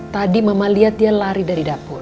tadi mama lihat dia lari dari dapur